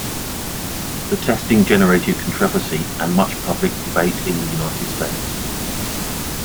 The testing generated controversy and much public debate in the United States.